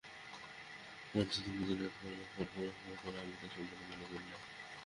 মন্মথ, তুমি দিনরাত কর্মফল কর্মফল করো আমি তা সম্পূর্ণ মানি না।